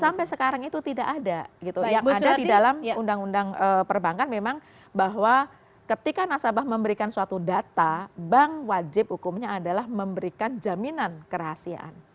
sampai sekarang itu tidak ada yang ada di dalam undang undang perbankan memang bahwa ketika nasabah memberikan suatu data bank wajib hukumnya adalah memberikan jaminan kerahasiaan